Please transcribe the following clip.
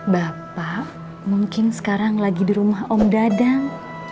bapak mungkin sekarang lagi di rumah om dadang